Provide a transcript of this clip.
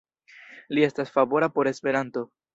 Li estas favora por Esperanto.